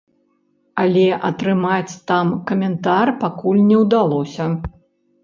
Але атрымаць там каментар пакуль не ўдалося.